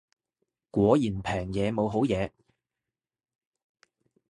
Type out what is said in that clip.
果然平嘢冇好嘢